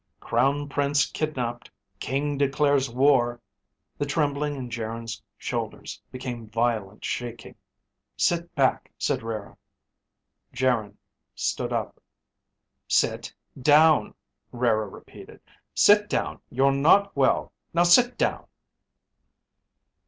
CROWN PRINCE KIDNAPED! KING DECLARES WAR! The trembling in Geryn's shoulders became violent shaking. "Sit back," said Rara. Geryn stood up. "Sit down," Rara repeated. "Sit down. You're not well. Now sit down!"